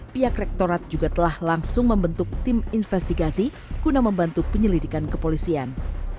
pihak rektorat juga telah langsung membentuk tim investigasi guna membantu penyelidikan kepolisian